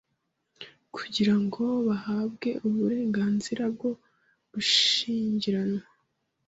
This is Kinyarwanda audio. kugira ngo bahabwe uburenganzira bwo gushyingiranwa